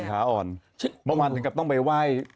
บางวันถึงก็ต้องไปไหว้